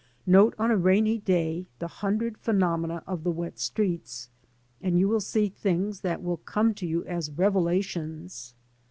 Note on a rainy day the hundred phenomena of the wet streets, and you will see things that will come to you as revelations.